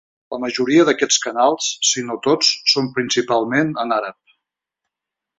La majoria d'aquests canals, si no tots, són principalment en àrab.